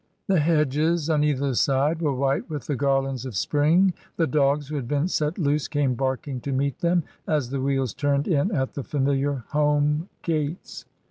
The hedges on either side were white with the garlands of spring. The dogs, who had been set loose, came barking to meet them, as the wheels turned in at the familiar home gates.